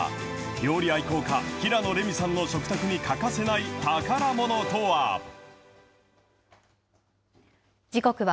料理愛好家、平野レミさんの食卓に欠かせない宝ものとは。